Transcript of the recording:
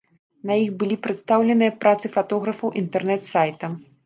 На іх былі прадстаўленыя працы фатографаў інтэрнэт-сайта.